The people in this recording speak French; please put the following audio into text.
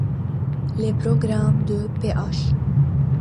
Les programmes de Ph.